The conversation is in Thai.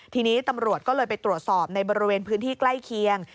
ทีนี้ตำรวจก็เลยไปตรวจสอบในบริเวณพื้นที่ใกล้เคียง